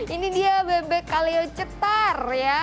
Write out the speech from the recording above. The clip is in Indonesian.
ini dia bebek kaleo cetar ya